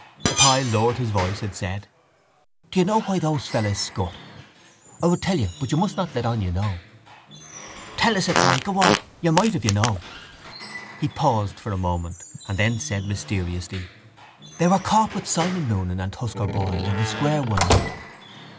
Athy lowered his voice and said: —Do you know why those fellows scut? I will tell you but you must not let on you know. —Tell us, Athy. Go on. You might if you know. He paused for a moment and then said mysteriously: —They were caught with Simon Moonan and Tusker Boyle in the square one night.